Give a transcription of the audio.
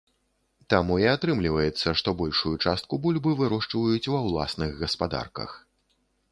Таму і атрымліваецца, што большую частку бульбы вырошчваюць ва ўласных гаспадарках.